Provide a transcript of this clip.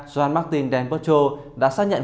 joan martin dancocho đã xác nhận